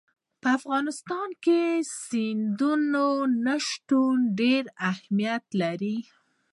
په افغانستان کې سمندر نه شتون ډېر اهمیت لري.